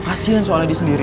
kasian soalnya dia sendiri